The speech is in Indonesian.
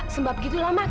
sebab gitulah ma kan